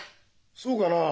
そうかなあ？